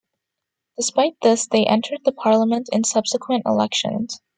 Despite this, they entered the parliament in subsequent elections.